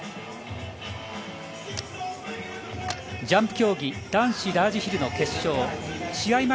ジャンプ競技男子ラージヒルの決勝試合